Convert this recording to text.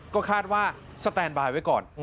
ก็คาดว่าสแตนบายไว้ก่อน